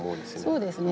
そうですね。